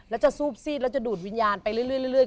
แล้วจะซูบซีดแล้วจะดูดวิญญาณไปเรื่อย